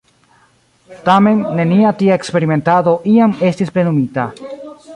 Tamen, nenia tia eksperimentado iam estis plenumita.